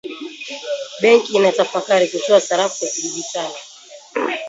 Benki inatafakari kutoa sarafu ya kidigitali